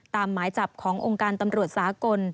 หมายจับขององค์การตำรวจสากล